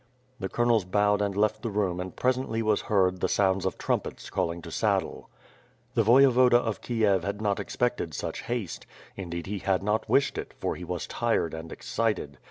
The colonels bowed and left the room and presently was heard the sounds of trumpets calling to saddle. The Voyevoda of Kiev had not expected such haste; in deed he had not wished it, for he was tired and excited.